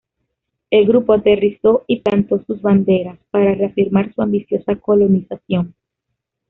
El grupo aterrizó y plantó sus banderas, para reafirmar su ambiciosa colonización.